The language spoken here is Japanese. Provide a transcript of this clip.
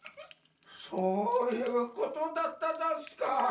そういうことだったざんすか。